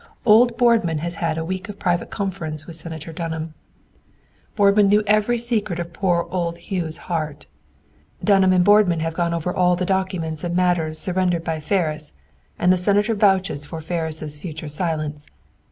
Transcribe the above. Old Boardman has had a week of private conference with Senator Dunham. "Boardman knew every secret of poor old Hugh's heart. Dunham and Boardman have gone over all the documents and matters surrendered by Ferris, and the Senator vouches for Ferris' future silence.